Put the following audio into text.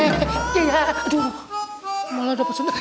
gila aduh malah dapet sentuh